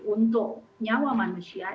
untuk nyawa manusia